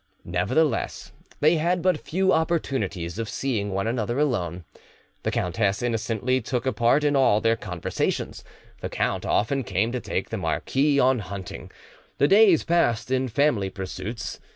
Nevertheless, they had but few opportunities of seeing one' another alone: the countess innocently took a part in all their conversations; the count often came to take the marquis out hunting; the days passed in family pursuits.